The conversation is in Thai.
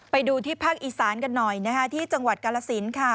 ไปดูที่ภาคอีสานกันหน่อยนะคะที่จังหวัดกาลสินค่ะ